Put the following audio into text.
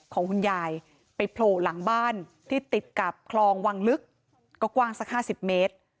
ของคุณยายไปโผล่หลังบ้านที่ติดกับคลองวังลึกก็กว้างสัก๕๐เมตร